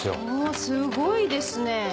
あすごいですね。